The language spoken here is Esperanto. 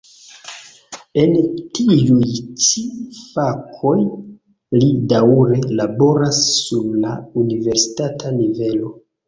En tiuj ĉi fakoj li daŭre laboras sur la universitata nivelo.